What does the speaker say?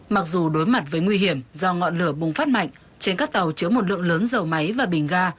mặc dù đối mặt với nguy hiểm do ngọn lửa bùng phát mạnh trên các tàu chứa một lượng lớn dầu máy và bình ga